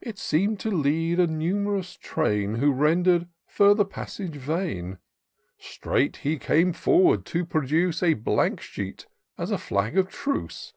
It seem'd to lead a num'rous train Who render'd further passage vain. Straight he came forward to produce A Blank Sheet as a flag of truce.